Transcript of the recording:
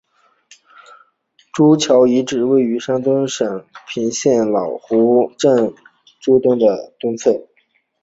朱桥遗址位于山东省东平县老湖镇朱桥村东侧。